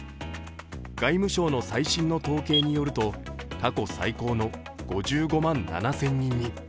外務省の最新の統計によると、過去最高の５５万７０００人に。